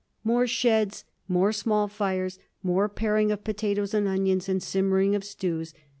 More sheds, more small fires, more paring of potatoes and onions and simmering of stews.